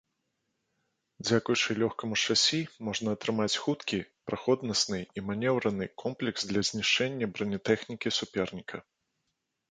Дзякуючы лёгкаму шасі можна атрымаць хуткі, праходнасны і манеўраны комплекс для знішчэння бранятэхнікі суперніка.